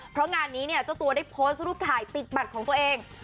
เพราะงานนี้เนี่ยเจ้าตัวได้โพสต์รูปถ่ายติดบัตรของตัวเอง